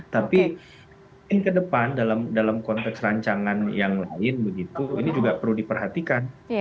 tapi mungkin ke depan dalam konteks rancangan yang lain begitu ini juga perlu diperhatikan